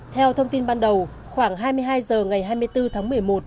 theo thông tin ban đầu khoảng hai mươi hai h ngày hai mươi bốn tháng một mươi một